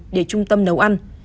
để trung tâm nấu ăn